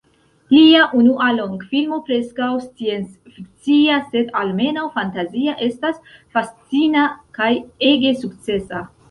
Lia unua longfilmo, preskaŭ scienc-fikcia sed almenaŭ fantazia, estas fascina kaj ege sukcesa.